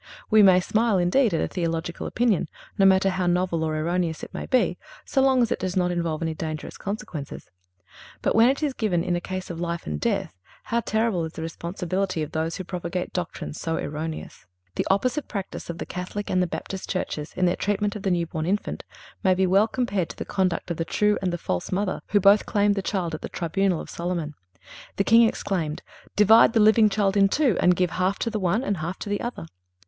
We may smile indeed at a theological opinion, no matter how novel or erroneous it may be, so long as it does not involve any dangerous consequences. But when it is given in a case of life and death, how terrible is the responsibility of those who propagate doctrines so erroneous! The opposite practice of the Catholic and the Baptist churches, in their treatment of the newborn infant, may be well compared to the conduct of the true and the false mother who both claimed the child at the tribunal of Solomon. The king exclaimed: "Divide the living child in two, and give half to the one and half to the other."